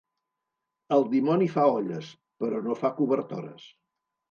El dimoni fa olles, però no fa cobertores.